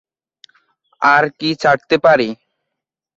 আর কি ছাড়তে পারি?